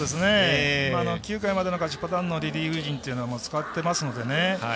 ９回までの勝ちパターンのリリーフ陣は使ってますのでね。